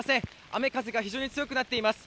雨、風が非常に強くなっています。